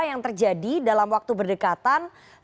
yang terjadi dalam waktu berdekatan